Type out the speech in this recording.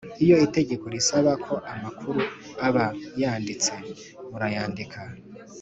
Iyo itegeko risaba ko amakuru aba yanditse murayandika